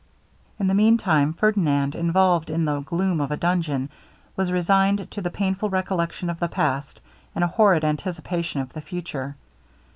In the mean time Ferdinand, involved in the gloom of a dungeon, was resigned to the painful recollection of the past, and a horrid anticipation of the future.